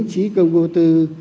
chí công vô tư